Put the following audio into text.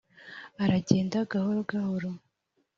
aragenda gahoro gahoro